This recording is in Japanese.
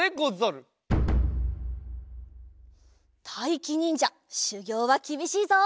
たいきにんじゃしゅぎょうはきびしいぞ。